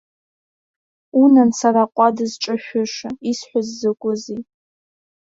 Унан, сара аҟәада зҿашәыша, исҳәаз закәызеи?!